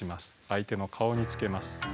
相手の顔につけます。